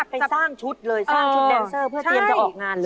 ไปสร้างชุดเลยสร้างชุดแดนเซอร์เพื่อเตรียมจะออกงานเลย